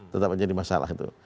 tetap menjadi masalah itu